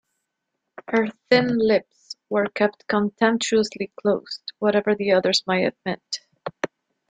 Her thin lips were kept contemptuously closed, whatever the others might admit.